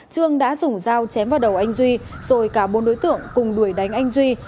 trương đã dùng dao chém vào đầu anh duy rồi cả bốn đối tượng cùng đuổi đánh anh duy